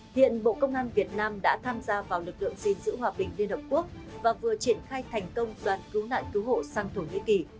hiện bộ công an việt nam đã tham gia vào lực lượng gìn giữ hòa bình liên hợp quốc và vừa triển khai thành công đoàn cứu nạn cứu hộ sang thổ nhĩ kỳ